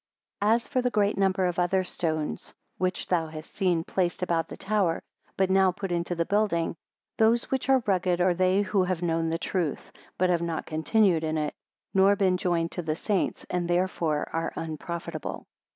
64 As for the great number of other stones which thou hast seen placed about the tower, but now put into the building; those which are rugged, are they who have known the truth, but have not continued in it, nor been joined to the saints, and therefore are unprofitable.